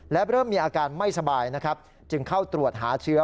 และเริ่มมีอาการไม่สบายนะครับจึงเข้าตรวจหาเชื้อ